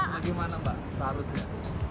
jadi maksudnya bagaimana mbak seharusnya